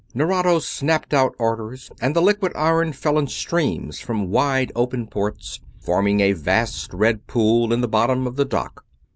Nerado snapped out orders and the liquid iron fell in streams from wide open ports, forming a vast, red pool in the bottom of the dock.